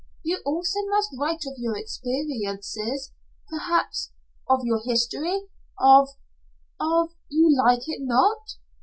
You also must write of your experiences perhaps of your history of of You like it not?